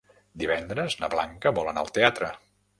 Divendres na Blanca vol anar al teatre.